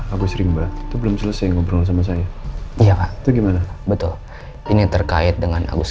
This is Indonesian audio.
agus rimba itu belum selesai ngobrol sama saya iya pak itu gimana betul ini terkait dengan agus